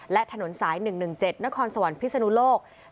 และถนนสาย๑๑๗นครสวรรค์พิศนุโลก